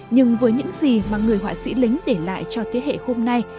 nhưng với những gì mà người họa sĩ lính để lại cho thế hệ hôm nay